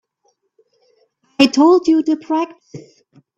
I told you to practice.